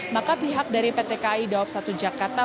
maka pihak dari pt kai dawab satu jakarta